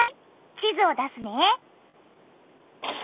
地図を出すね。